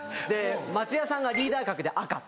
松也さんがリーダー格で赤。